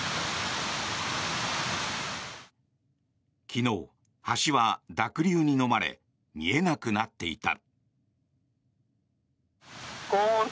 昨日、橋は濁流にのまれ見えなくなっていた。